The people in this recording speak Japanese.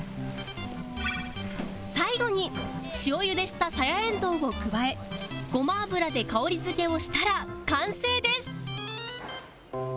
最後に塩茹でしたサヤエンドウを加えごま油で香り付けをしたら完成です！